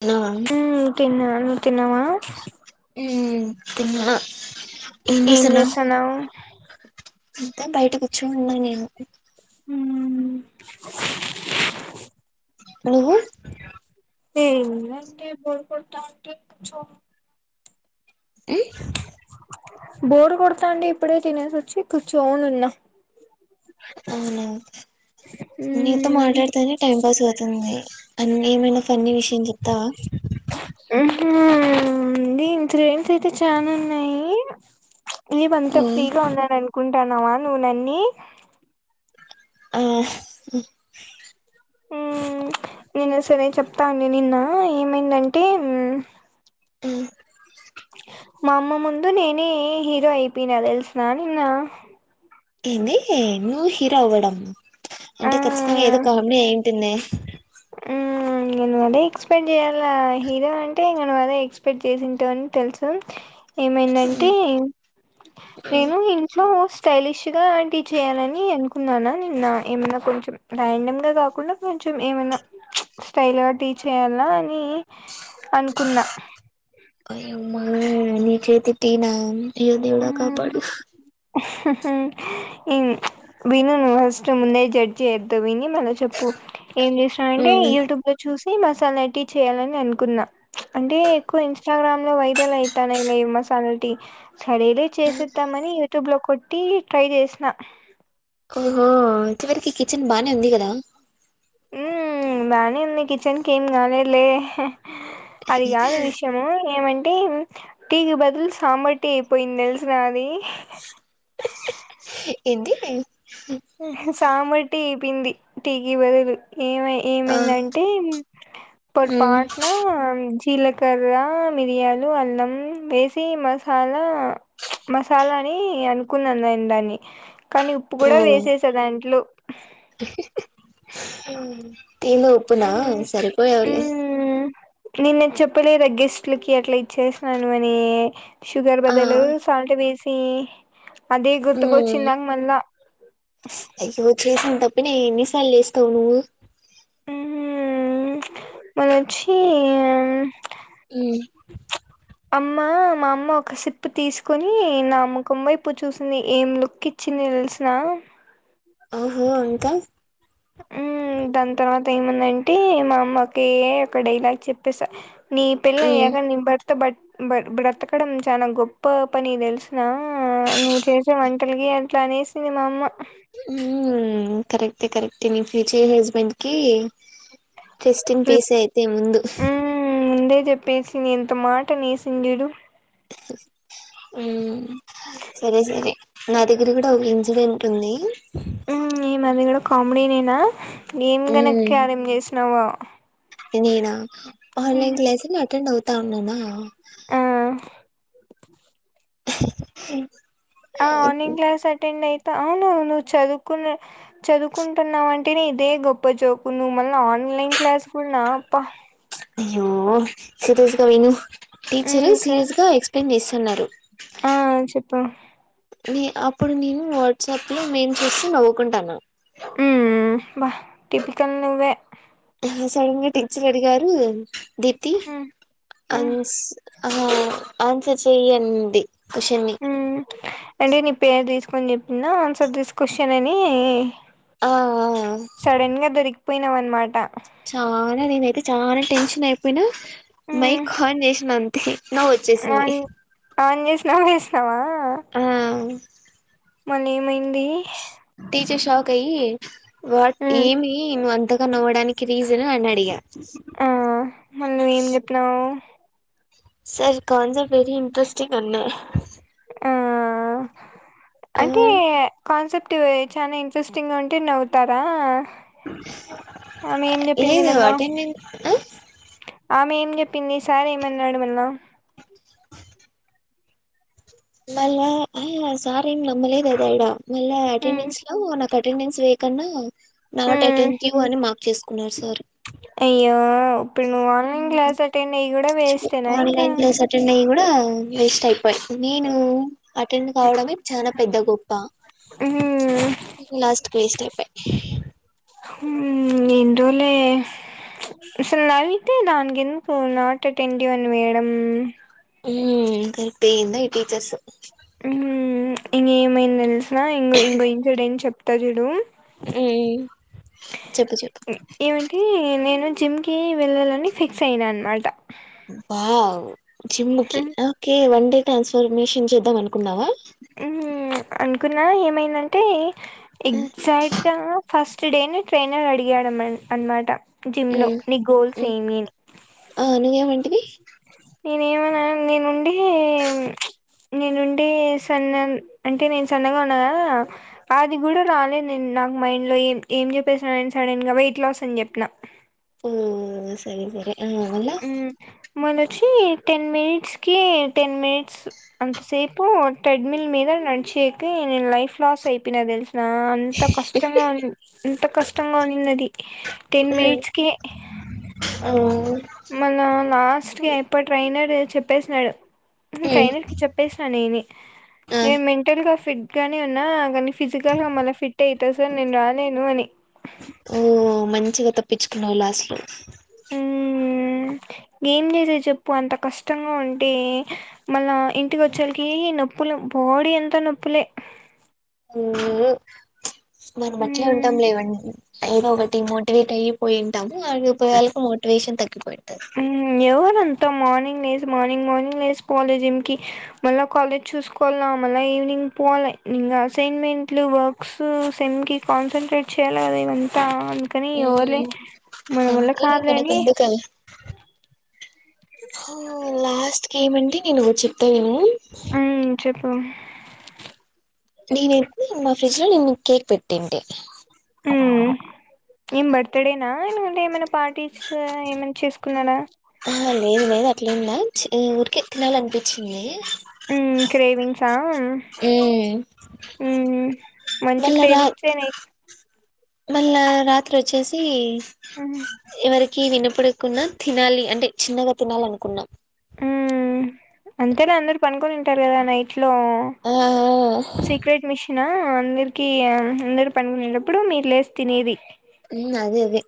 అ తిన్నను తినవా తిన్న ఏం చేసాన్నావు అంతే బయట కూర్చొని ఉన్న నేను హు ఓహో ఏ ఇంగ్ బోర్ కొడ్తా ఉంటే కూచో డి బోర్డు కొడతా అండి ఇప్పుడే తినేసి వచ్చి కూర్చోను ఉన్నా అవునా నీతో మ్మ్ మాట్లాడుతేనే టైం పాస్ అవుతుంది అన్న ఏమైనా ఫన్నీ విషయం చెప్తావా డి ఇంతలో ఏంస్ అయితే చాాల ఉన్నాయి ఇది బంత ఫ్రీగా ఉంన్నా కుంటాన్నావా నువ్వునన్ని ఆ మ్ నేను సరే చెప్తా అండి నిన్న ఏమైందంటే మ్ మా అమ్మ ముందు నేనే హీరో అయిపోయిన తెలిసిన నిన్న ఏంది న్యూ హీరో అవ్వడం అంటే ఖచ్చితంగా ఆ ఏదో కామెడీ అయింటది నేను అదే ఎక్స్పెక్ట్ చేయాల హీరో అంటే నను అదే ఎక్స్పెక్ట్ చేసింటో అని తెలుసు ఏమైందంటే నేను ఇంట్లో స్టైలిష్గా టివి చేయాలని అనుకున్నాను నిన్న, ఏమన్నా కొంచెం ర్యాండమ్గా కాకుండా కొంచెం ఏమన్నా స్టైల్ గా టీ చేయాల అని అనుకున్నా అయ్య ఉమా నిచేతి టీ నా అయ్యో దేవుడా కాపడు విను నువ్ ఫస్ట్ ముందే జడ్జి చేయ్యద్ద్ద విని మళ్ళ చెప్పు ఏం చేసినా అంటే మ్మ్ యూట్యూబ్ లో చూసి ఈ మసాలా టీ చేయాలని అనుకున్నా అంటే ఎక్కువ ఇన్ ఇన్స్టాగ్రామ్ లో వైరల్ అవుతానే లే మసాలటీ సడేలే చేసేస్తామని యుట్యూబ్ లో కొట్టి ట్రై చేసిన హ ఇంతవరకు కిచెన్ బానే ఉంది కదా బానే ఉంది కిచెన్కి ఏం కాలేదులే అది కా దు విషయమ ఏమంట అంటే టీకి బదులు సాబ టీ అయిపోయింది తెలిసిన అది ఏది సామటి ప్పింది టీకిీ బదులు ఏమ ఆ ఏమైందంటే మ్మ్ పొరపాటన జీలకర్ర మిరియాలు అల్లం వేసి మసాలా మసాలాని అను కున్నంటన్ని కానీ ఉప్పు కూడా ఓ వేస్ట్ చేసా దాంట్లో అ తంద ఒప్పునా మ్మ్ సరిపో ఎవలే మ్మ్ నిన్న చెప్పలేద గెస్ట్లకి అట్లా ఇచ్చేసినను అని షుగర్ ఆ బదులు సాల్ట్ వేస్ ఫ అది ఉమ్ గుర్తుకొచ్చిందాక మళ్ళా ఇ ఎన్ని సర్లుచేస్తావు నువు మనచ్చ ఏ అమ్మ మా అమ్మ ఒక సిప్ తీసుకుొని నామ్ ముఖం వైపు చూసింది ఏం లుక్ ఇచ్చింది తెలిసిన ఓహో అంకల్ దాని తర్వాత ఏముందంటే మా అమ్మక ఒక డైలాగ్ చెప్పేస నీ పిల్ ఉమ్ ఎగ నింబర్ బట్ బ బ్రతకడం చాలా గొప్ప పని తెలుసు నా నువ్వు చేసే వంటలకి పట్లా అనేసిన మామ కరెక్టే కరెక్టే నీ ఫ్యూచర్ హస్బెండ్కిి టెస్టింగ్ ట్రిప్ పీస్ అయితే ముందు జెప్పేసి ఎంత మాట అనేసింది జూడు ఉ సరే సరే నా దగ్గర గుడా ఒగ ఇన్సిడెంట్ ఉంది ఊ ఈమది గుడా కామెడీ నేనా ఏమ్ గనక్యారం చేసినావొ ఏ నినా ఉమ్ ఆన్లైన్ క్లాస్ కి అటెండ్ అవు తా ఉన్నానా ఆ అ ఆ ఆన్లైన్ క్లాస్ అటెండ్ అయి త అవును నువ్వు చదువుకున్న చదువుకుంటున్నావంటేనే ఇదే గొప్ప జోకు నువ్వు మళ్ళీ ఆన్లైన్ క్లాస్ కూడా నా అబ్బా అయ్యో సీరియస్ గా విను ఉమ్ టీచరు చె- సీరియస్ గా ఎక్ప్లెయిన్ చేసి అన్నారు ఆ చెప్పు నీ అప్పుడు నేను చెప్పల మేము చూసి నవ్ కుంటన్నాం ఉమ్ బా టిపికల్ నువ్వే ఇంగ సడన్ గా టీచర్ అడిగారు దిప్తి ఉమ్ ఉమ్ అన్స్ అహ ఆన్సర్ చెయ్యి అనింది అ అంటే నీ పేరు దీసుకొని చెప్పిందా ఆన్సర్ దిస్ క్వశ్చన్ అని ఆ సడన్ గా దొరికి పోయినవ్ అనమాట చాలా నేనైతే చాలా టెన్షన్ అయిపోయినా మైక్ ఖాన్ జేసినా అం తిహి వన్ ఆన్ జేసినావ ఎసి నావా ఆ మన్నేమైం ంది షాకయ్యి వాట్ ఏమి నువ్వు అం రిటర్న్ అవ్వడానికి రీసన్ అని అడిగా ఆ మళ నువ్వ ఏం చెప్పినావు సార్ కాన్స వెరి ఇంట్రెస్టింగ్ అన్నా ఆ ఆ అంటే కాన్సెప్ట్ అ చాలా ఇంట్రెస్టింగ్గా ఉంటే నవ్వుతారా ఆమె ఏం చెప్పింది లేదు మళ్ళా అటెండె ఆమె ఏం చెప్పింది సార్ ఏమన్నాడు నను మళ సారీ ఎం నమ్మలేదు అది ఆడ మళ్ళా మ్మ్ అటెండెన్స్ లో నాకా అటెండెన్స్ వేకున్నా నాట్ మ్మ్ అటెంటివ్ అని మార్క్ చేసు కులార్ సార్ అయ్యో ఇప్పుడు నువ్వు ఆన్లైన్ క్లాస్ అటెండ్ అయ్య కూడా వేస్టయినా ఇంకా ఆన్లైన్ క్లాస్ అటెండ్ అయ్యి కూడా వేస్ట్ అయిపోయి నేను అటెండ్ కావడమే చాలా పెద్ద గొప్ప మ్మ్ లాస్ట్ కి వేస్ట్ అయిపోయి మ్మ్ ఏందో లే అసలు లైట్ దానికెందుకు ఫోను నాట్ అటెంటివ్ అని మేడం ఉ నాకైతే ఏందో ఈ టీచర్స్ మ్మ్ నిన్న ఏమైందో తెలుస ఇంగు ఇంగు ఇన్సిడెంట్ చెప్పు తరుడు ఉమ్ చెప్పు చెప్పు ఏమింటి నేను జిమ్కి వెళ్ళాలని ఫిక్స్ అయినా అనమాట వావ్ జిమ్కి మ్మ్. ఓకే వన్డే ట్రాన్స్ఫర్మేషన్ చేద్దాం అనుకున్నావా హ అంటే పకున ఏమైందంటే ఎగజాక్ట్ కా ఫస్ట్ టుడేనే ట్రైనర్ అడిగాడు అనమాట జిమ్నోలో ని గోల్స్ ఏమి అని ఆ నువ్వేమంటివి నేనేమ మ నేనుండి నేనుండి సన్న అంటే నేను సన్నగా ఉన్నాను కదా అది కూడా రాలేదు నేను నాకు మైండ్లో ఏం ఏం చెప్పేసా నేను సడెన్గా వెయిట్ లాస్ అని చెప్పిన ఓ సరే సరే ఆ అలా మనచ్చి టెన్ మినిట్స్కి టెన్ మినిట్స్ అంతసేపు ట్రెడ్మిల్ మీద నడిచేయక నేను లైఫ్ లాస్ అయిపోయిన తెలుసు అంత కష్టంగా ఉ అంత కష్టంగా ఉనింది అది టెన్ మినిట్స్ కి ఆ ఆ లాస్ట్కి అయిపో ట్రై అనాడు చెప్పేసినాడు హ్మ్. ట్రైనర్ కి చెప్పేసిన నేని ఆ నేను మెంటల్ కాస్త ఫిట్ గానే ఉన్నా కాని ఫిజికల్గా మళ్ళ ఫిట్ అవుత సార్ నేను రాలేను అని పిచ్చుకునలాస్లు ఉ ఏమ్ చేసే చెప్పు అంత కష్టంగా ఉంటే మళ్ళ ఇంటికి వచ్చలకి నొప్పులు బాడీ ఎంత నొప్పులే ఓ మనం అట్లే మ్మ్ ఉంటాం లేవండి అయిదో ఒకటి మోటివేట్ అయ్యపోయింటాం ళకు మోటివషన్గ పో హ్మ్మ్ ఎవరంట మొత్తం మార్నింగ్ లేచ మార్నింగ్ మార్నింగ్ లేసి పోవాలేజ్ంకి మళ్ళా కాలేజ్ చూసుకోవాలా మళ్ళీ ఈవినింగ్ పోవాలి ఇంకా అసైన్మెంట్లు వర్క్స్ సినిమ్కి కన్సె్రేట్ చాలదిైవంతా అందుకని ఎవలే మన మల్ళ అంతేలే మనకి కావాలని ఎందుకు అవి లాస్ట్ ఏమంటడి నేను చెప్తావేమో ఆయ్ చెప్ స నేనైతే మా ఫ్రిడ్జ్ లో నిన్న కేక్ పెట్టటింటి హ్మ్మ్ ఏం బర్త్డేనా ఎందుకంటే ఏమైనా పార్టీస్ ఏమైనా చేసుకున్నారా ట్లీ ఊరికె ఎకినాాల అనిపించింది ఉ క్రేవింగ్సా హ్మ్మ్ హ్మ్. మంచి మళ్ళ రా క్రేవింగ్సే నైట్ మళ్ళా రాత్రి ఇక్క వచ్చేసి అ వినపడుకున్న తినాలి అంటే చిన్నగా తినాలి అనుకున్నాం ఉ అంతేలా అందరుూ పనుకొనింటారు కదా నైట్ ఆ సీక్రెట్ మిషన్ ఆ అందర్కి అందర్ పనిక్వోయెటప్పుడు మీర్ లేస్ తినేది మ్ అదే అదె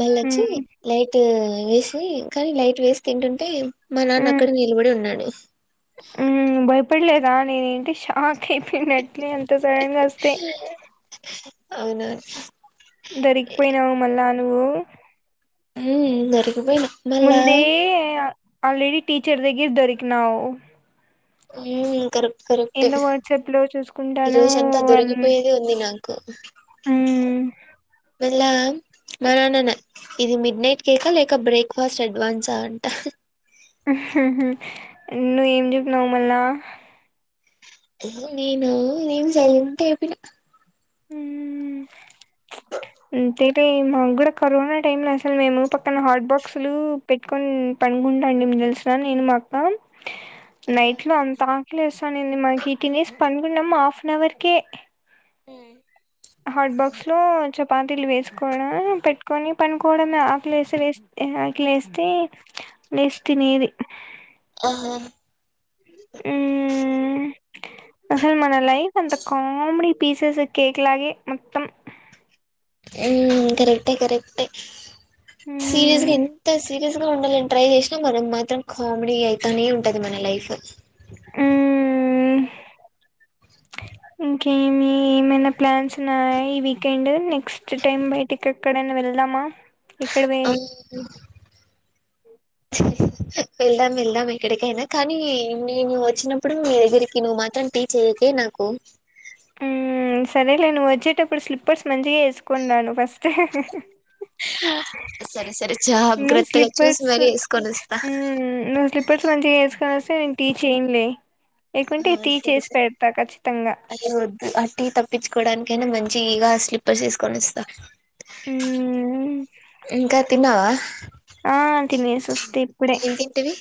మళ్ళొచ్చి హ్మ్. లైట్ వేసీ కాన్ లైట్ వేసి తింటుంటే మా నాన్న అక్కడె నిలబడి ఉన్నాడు మ్ బయ్ పడ్ లేదా నేన్ ఏంటి షాక్ అయిపోయినట్లే అంత సడన్ గా అస్తే ఔనా దొరికిపోయినావ్ మళ్ళా ఊ మ్ దొరికిపోయిన ముందే ఆల్రెడి టీచర్ దగ్గర్ దొరికినావ్ మ్ కర్ ఎంద వాట్సాప్ లో చూసుకుంటానో వాళ్ అ మ్ లా మా నాన్నన ఇది మిడ్ నైట్ కేకా లేక బ్రేక్ఫాస్ట్ అడ్వాన్సా అంట నువ్ ఏం చెప్పినవ్ మళ్ళా నేను నేన్ సైలెంట్ ఐపొయ్న ఉ అంతేలె మాక్ గుడా కరోనా టైమ్ ల అసలు మేము పక్కన హాట్ బాక్స్లులూ పెట్కొన్ పడుకుంటామిన్ తెలుస నేను మా అక్క ఆహా నైట్ లొ అంత ఆకలిసాంది మాకి తినేసి పన్ కున్నమ్ హఫన్ హవర్ కే ఉమ్ హాట్ బాక్స్లో చపాతీలు వేసుకోవడ పెట్టుకొని పడుకోవడమే ఆకలేసి వేస్ ఆకలేస్తే లేసి తినేది ఆహా మ్ అసల్ మన లైఫ్ అంత కామెడి పీసెస్ కేక్ లాగే మొత్తం ఉ కరెక్టే కరెక్టె సీరియస్ గ మ్మ్ ఎంత సీరియస్ ఉండలని ట్రై చేసినా మనం మాత్రం కామెడీ అయితనే ఉంటది మన లైఫ్ లొ మ్ ఇంకేమీ ఏమైనా ప్లాన్స్ ఉన్నాయా ఈ వీకెండ్ నెక్స్ట్ టైమ్ బయటిక్ ఎక్కడైన వెళ్దామా ఇక్కడ వే అవునా వెళ్దాం వెళ్దాం ఎక్కడికైనా కానీ నేను ఒచ్చినప్పుడు నీ దగ్గరికి నువ్ మాత్రం టీచ్ ఎయ్యకే నాకు మ్ సరేలే నువ్వు ఒచ్చేటపుడు స్లిప్పర్స్ మంచిగా ఏసుకొన్ రా ను ఫస్ట్ హ హ హ సరే సరే నువ్ జాగ్రత్తగా చూసి స్లిపర్స్ మరీ వేసుకొని వస్తా మ్ నువ్ స్లిపర్స్ మంచిగ ఏసుకొన్ ఒస్ నేను టిజ్ చేయనలే లేకుంటే ఆ టీ చేసి పెడతా ఖచ్చితంగా అ టి తప్పించుకోవడానికైనా మంచి ఇగ స్లిప్పర్స్ వేసుకొని వస్తా మ్మ్ ఇంకా తిన్నావా ఆ తినేసి వస్తీ ఇప్పుడే ఏం తింటివి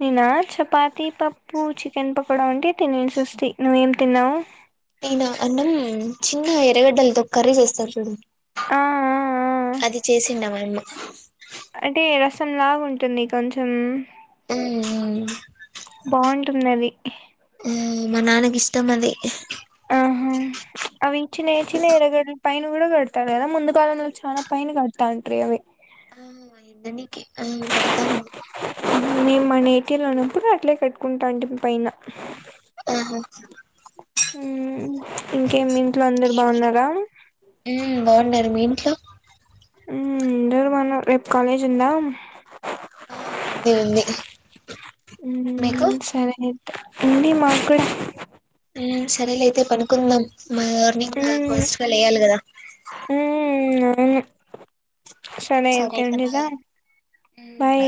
నేనా చపాతి పప్పు చికెన్ పకోడా ఉంటే తినేసి వస్తి నువ్వేం తిన్నావు నేనా అన్నం చిన్న ఎర్రగడ్డలతో కర్రీ చేేస్తారు చూడు ఆ ఆ ఆ అది చేసిండ మైమ కొంచెం లావు ఉంటుంది కొంచెం ఉ ఉ ఉ టున్నది ఉ మా నాన్నకి ఇష్టం అది ఉ అవి చిన్న చిన్న ఎర్రగడ్డల్ పైన కూడా కడతారు కదా ముందు కాలంలో చాలా పైన కడతాంట్రీ అవి నని అవును కడతాను నేను మనేటీలు ఉన్నప్పుడు అట్లే కట్టుకుంటా అంటమి పైన ఆహా ఇంకేమి ఇంట్లో అందరు ఇంకేమి బాగున్నారా ఉమ్ బాగున్నారు మీ ఇంట్లో [inaudible] రేపు కాలేజ్ ఉందా ఆ ఉంది ఉంది మీకు ఉమ్ సరే అయితే ఉంది మాక్కూడా సరేలేతే పను కుందాం మార్నింగ్ నాకు ఉమ్ పస్కల్ వేయ్యాలి కదా ఉమ్ సరే ఎంత అయితే బాయ్ ఎండిళ్ళా బాయ్